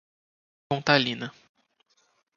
Pontalina